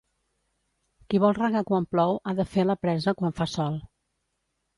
Qui vol regar quan plou ha de fer la presa quan fa sol.